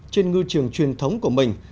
trên ngư trường truyền thống của mình